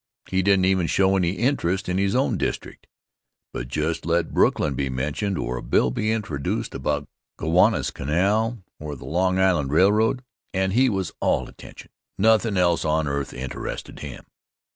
He didn't even show any interest in his own district. But just let Brooklyn be mentioned, or a bill be introduced about Gowanus Canal, or the Long Island Railroad, and he was all attention. Nothin' else on earth interested him.